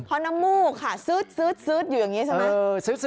เพราะนมูค่ะซื้ดซื้ดซื้ดอยู่อย่างนี้ใช่ไหม